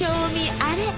あれ？